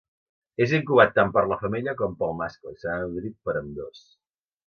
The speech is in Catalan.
És incubat tant per la femella, com pel mascle i serà nodrit per ambdós.